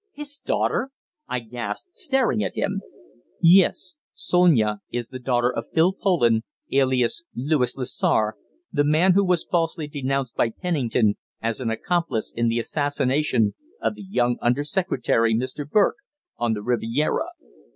"His daughter!" I gasped, staring at him. "Yes. Sonia is the daughter of Phil Poland, alias Louis Lessar, the man who was falsely denounced by Pennington as an accomplice in the assassination of the young Under Secretary, Mr. Burke, on the Riviera.